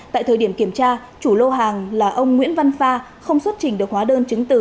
tại thời điểm kiểm tra chủ lô hàng là ông nguyễn văn pha không xuất trình được hóa đơn chứng từ